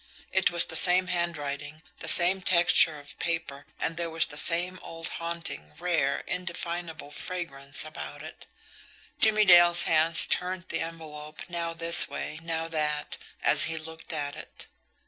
It was the same handwriting, the same texture of paper, and there was the same old haunting, rare, indefinable fragrance about it. Jimmie Dale's hands turned the envelope now this way, now that, as he looked at it.